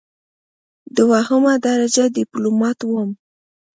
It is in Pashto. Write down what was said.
دوهمه درجه ډیپلوماټ وم.